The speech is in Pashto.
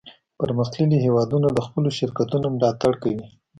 پرمختللي هیوادونه د خپلو شرکتونو ملاتړ کوي